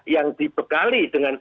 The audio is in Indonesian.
yang dibekali dengan